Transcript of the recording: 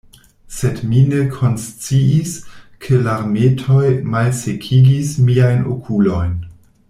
Sed mi ne konsciis, ke larmetoj malsekigis miajn okulojn.